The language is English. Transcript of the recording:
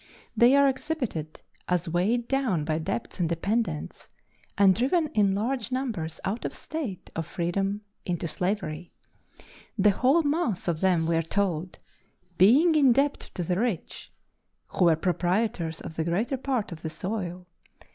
They are exhibited as weighed down by debts and dependence, and driven in large numbers out of a state of freedom into slavery the whole mass of them (we are told) being in debt to the rich, who were proprietors of the greater part of the soil.